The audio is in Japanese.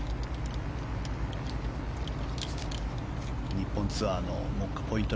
日本ツアーの目下ポイント